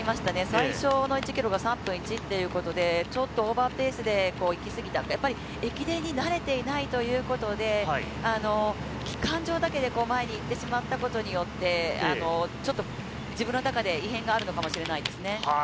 最初の１ｋｍが３分１秒ということで、ちょっとオーバーペースでいきすぎた、やっぱり駅伝に慣れていないということで、ちょっと自分の中で異変があるのかもしれないですね。